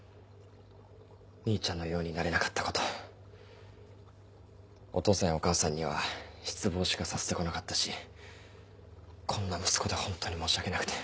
兄ちゃんのようになれなかったことお父さんやお母さんには失望しかさせて来なかったしこんな息子でホントに申し訳なくて。